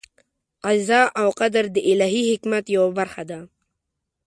قضا او قدر د الهي حکمت یوه برخه ده.